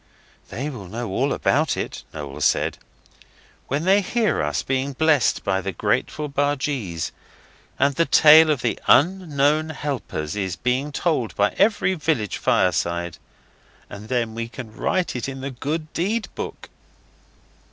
'They will know all about it,' Noel said, 'when they hear us being blessed by the grateful bargees, and the tale of the Unknown Helpers is being told by every village fireside. And then they can write it in the Golden Deed book.